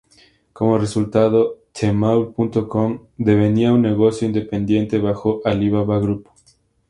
Como resultado, Tmall.com devenía un negocio independiente bajo Alibaba Grupo.